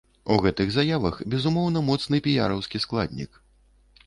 У гэтых заявах, безумоўна, моцны піяраўскі складнік.